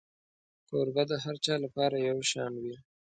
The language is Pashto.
کوربه د هر چا لپاره یو شان وي.